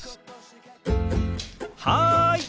はい！